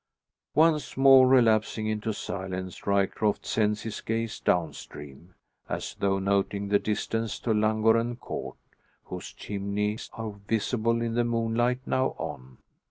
Once more relapsing into silence, Ryecroft sends his gaze down stream, as though noting the distance to Llangorren Court, whose chimneys are visible in the moonlight now on.